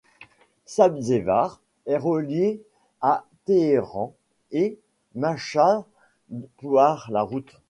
Sabzevar est reliée à Téhéran et Mashhad par la route.